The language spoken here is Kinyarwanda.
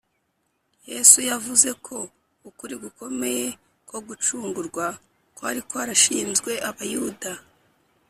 Yesu yavuze ko ukuri gukomeye kwo gucungurwa kwari kwarashinzwe Abayuda